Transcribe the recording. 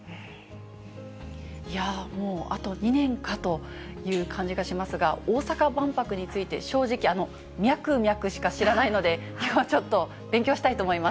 いやー、もうあと２年かという感じがしますが、大阪万博について、正直、ミャクミャクしか知らないので、きょうはちょっと、勉強したいと思います。